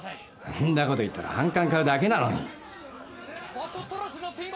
こんなこと言ったら反感買うだけなのに。